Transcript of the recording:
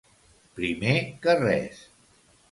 Primer que res.